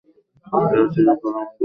ওরা চিরকাল আমাদের সাথে থাকবে।